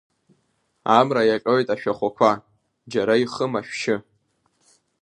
Амра иаҟьоит ашәахәақәа, џьара ихым ашәшьы.